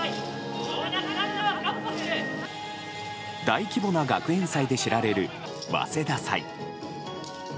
大規模な学園祭で知られる早稲田祭。